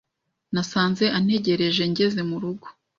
Nasanze antegereje ngeze murugo.